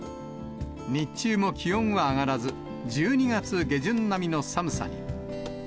日中も気温は上がらず、１２月下旬並みの寒さに。